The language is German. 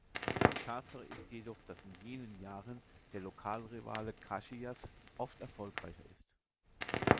Tatsache ist jedoch, dass in jenen Jahren der Lokalrivale Caxias oft erfolgreicher ist.